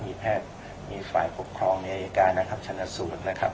มีแพทย์มีฝ่ายปกครองในอายการนะครับชนะสูตรนะครับ